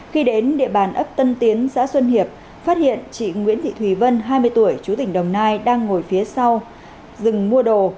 khi đến địa bàn ấp tân tiến xã xuân hiệp phát hiện chị nguyễn thị thùy vân hai mươi tuổi chú tỉnh đồng nai đang ngồi phía sau dừng mua đồ